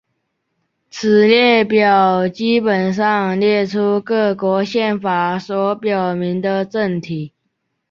此列表基本上列出各国宪法所表明的政体。